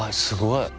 すごい！